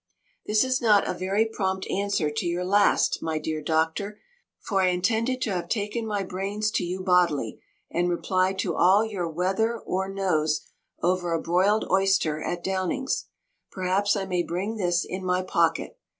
"This is not a very prompt answer to your last, my dear doctor, for I intended to have taken my brains to you bodily, and replied to all your 'whether or noes' over a broiled oyster at Downing's. Perhaps I may bring this in my pocket.